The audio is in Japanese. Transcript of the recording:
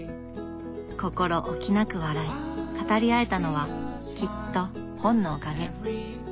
心おきなく笑い語り合えたのはきっと本のおかげ。